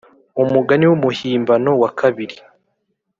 Umugani w umuhimbano wa kabiri